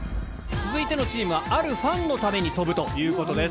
続いてのチームはあるファンのために飛ぶということです。